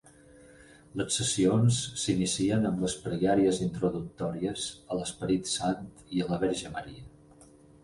Les sessions s'inicien amb les pregàries introductòries a l'Esperit Sant i a la Verge Maria.